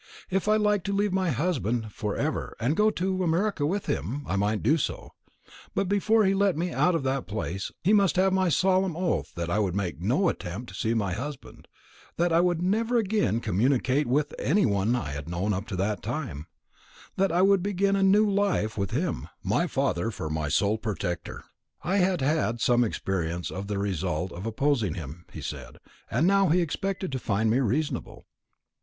If I liked to leave my husband for ever, and go to America with him, I might do so; but before he let me out of that place, he must have my solemn oath that I would make no attempt to see my husband; that I would never again communicate with any one I had known up to that time; that I would begin a new life, with him, my father, for my sole protector. I had had some experience of the result of opposing him, he said, and he now expected to find me reasonable.